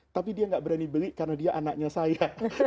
tapi dia nggak berani beli karena dia anaknya saya